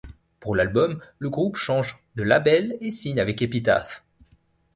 Pour l'album, le groupe change de label et signe avec Epitaph.